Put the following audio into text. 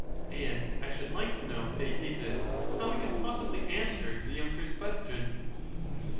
*— and I should like to know, Theaetetus, how we can possibly answer the younker's question